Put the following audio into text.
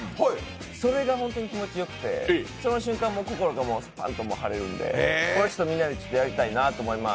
それが本当に気持ちよくて、その瞬間、心が晴れるんでこれはみんなでやりたいなと思います。